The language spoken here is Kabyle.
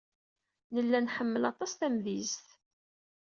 Nella nḥemmel aṭas tamedyazt.